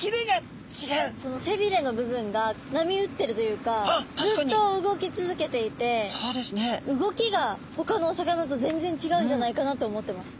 その背びれの部分が波打ってるというかずっと動き続けていて動きがほかのお魚と全然違うんじゃないかなと思ってます。